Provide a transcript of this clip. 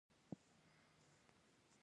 په وړاندې یې کړي دي.